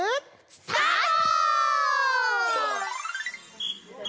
スタート！